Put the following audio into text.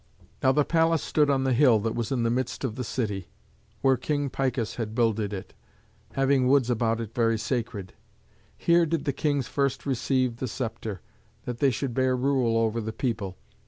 Now the palace stood on the hill that was in the midst of the city, where King Picus had builded it, having woods about it very sacred. Here did the kings first receive the sceptre, that they should bear rule over the people.